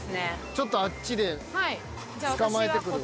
ちょっとあっちでつかまえてくるわ。